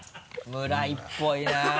村井っぽいな。